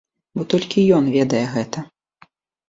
Бо толькі ён ведае гэта.